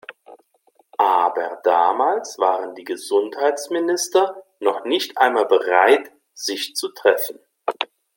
Aber damals waren die Gesundheitsminister noch nicht einmal bereit, sich zu treffen.